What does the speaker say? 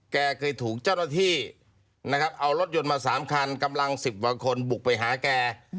แกเคยถูกเจ้าหน้าที่นะครับเอารถยนต์มา๓คันกำลัง๑๐กว่าคนบุกไปหาแก